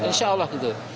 insya allah gitu